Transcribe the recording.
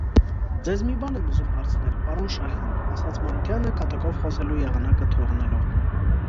- Ձեզ մի բան եմ ուզում հարցնել, պարոն Շահյան,- ասաց Մարությանը, կատակով խոսելու եղանակը թողնելով: